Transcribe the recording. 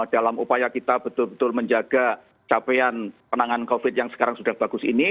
dalam upaya kita betul betul menjaga capaian penanganan covid yang sekarang sudah bagus ini